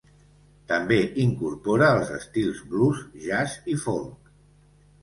També incorpora els estils blues, jazz i folk.